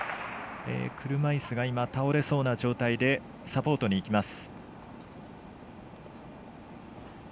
車いすが倒れそうな状態でサポートにいきます。